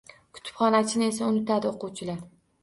Kutubxonachini esa unitadi oʻquvchilar